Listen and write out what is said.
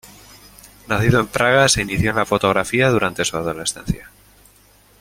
Nacido en Praga, se inició en la fotografía durante su adolescencia.